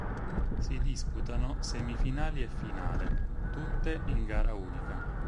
Si disputano semifinali e finale, tutte in gara unica.